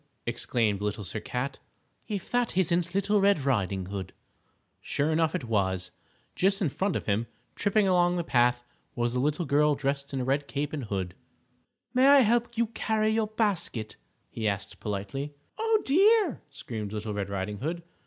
exclaimed Little Sir Cat, "if that isn't Little Red Riding Hood." Sure enough it was. Just in front of him, tripping along the path, was a little girl dressed in a red cape and hood. "May I help you carry your basket?" he asked politely. "Oh, dear!" screamed Little Red Riding Hood.